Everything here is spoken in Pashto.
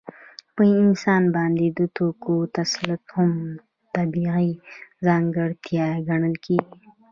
په انسان باندې د توکو تسلط هم طبیعي ځانګړتیا ګڼل کېږي